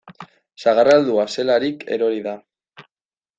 Sagarra heldua zelarik erori da.